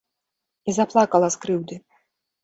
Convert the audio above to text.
І заплакала з крыўды.